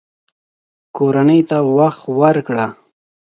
کورنۍ ته وخت ورکړه